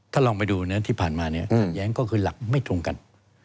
ถ้าลองไปดูนะที่ผ่านมาเนี่ยขัดแย้งก็คือหลักไม่ตรงกัน